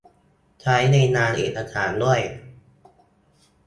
ใช้ในงานเอกสารด้วย